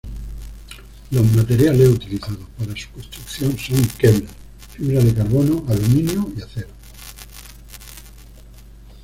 Los materiales utilizados para su construcción son Kevlar, fibra de carbono, aluminio y acero.